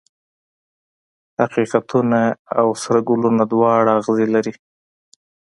حقیقتونه او سره ګلونه دواړه اغزي لري.